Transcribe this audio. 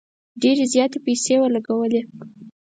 ډیري زیاتي پیسې ولګولې.